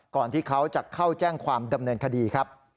ที่เขาจะเข้าแจ้งความดำเนินคดีครับ